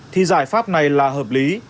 thì giải pháp này là hợp lý